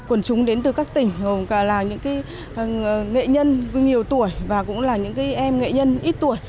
quần chúng đến từ các tỉnh gồm cả là những nghệ nhân nhiều tuổi và cũng là những em nghệ nhân ít tuổi